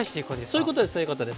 そういうことですそういうことです。